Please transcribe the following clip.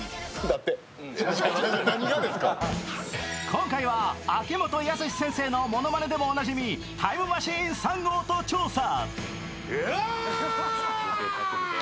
今回は秋元康先生のものまねでもおなじみ、タイムマシーン３号と調査。